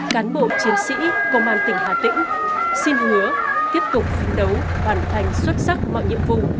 cán bộ chiến sĩ công an tỉnh hà tĩnh xin hứa tiếp tục phấn đấu hoàn thành xuất sắc mọi nhiệm vụ